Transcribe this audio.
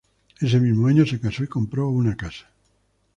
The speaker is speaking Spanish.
Ese mismo año se casó y compró una casa.